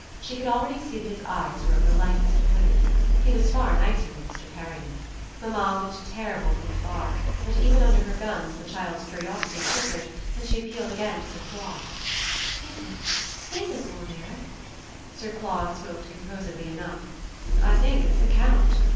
She could already see that his eyes were of the lightest blue. He was far nicer than Mr. Perriam. Mamma looked terrible from afar, but even under her guns the child's curiosity flickered and she appealed again to Sir Claude. "Is it IS it Lord Eric?" Sir Claude smoked composedly enough. "I think it's the Count."